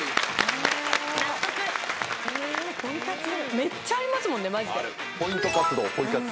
めっちゃありますもんねマジで。